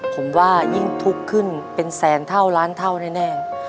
ผมว่ายิ่งทุกข์ขึ้นเป็นแสนเท่าล้านเท่าแน่